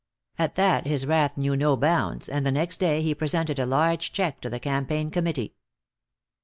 At that his wrath knew no bounds and the next day he presented a large check to the campaign committee.